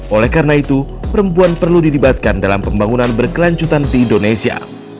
oleh karena itu perempuan perlu dilibatkan dalam pembangunan berkelanjutan di indonesia